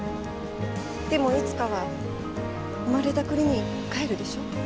でもいつかは生まれた国に帰るでしょ？